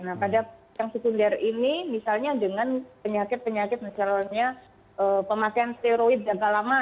nah pada yang sekunder ini misalnya dengan penyakit penyakit misalnya pemakaian steroid jangka lama